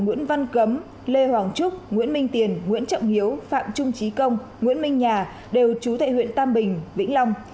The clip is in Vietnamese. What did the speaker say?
nguyễn văn cấm lê hoàng trúc nguyễn minh tiền nguyễn trọng hiếu phạm trung trí công nguyễn minh nhà đều trú tại huyện tam bình vĩnh long